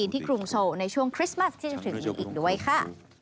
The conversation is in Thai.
กรุงโซลในช่วงคริสต์มัสที่จะถึงนี้อีกด้วยค่ะ